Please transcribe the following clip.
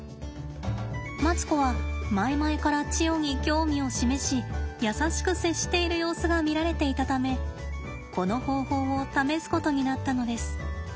マツコは前々からチヨに興味を示し優しく接している様子が見られていたためこの方法を試すことになったのです。